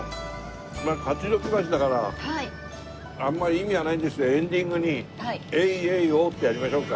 勝鬨橋だからあんまり意味はないんですがエンディングに「エイエイオー！」ってやりましょうか。